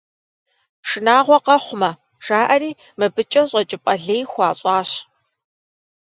Шынагъуэ къэхъумэ, жаӏэри, мыбыкӏэ щӏэкӏыпӏэ лей хуащӏащ.